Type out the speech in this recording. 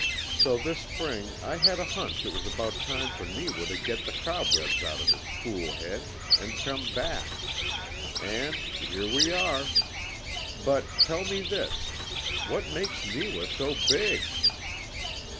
So this spring I had a hunch it was about time for Neewa to get the cobwebs out of his fool head, and came back. And here we are! But tell me this: WHAT MAKES NEEWA SO BIG?"